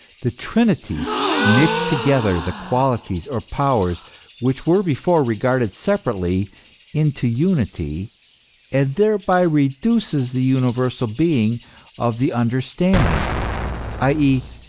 The Trinity knits together the qualities or powers, which were before regarded separately, into unity, and thereby reduces the universal being of the understanding, i. e.